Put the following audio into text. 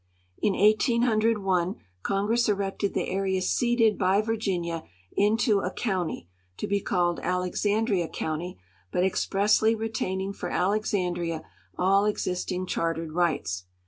In 1801 Congress erected the area ceded b}' Virginia into a county, to be called Alexandria county, but expressly retaining for Alexandria all existing char tered rights.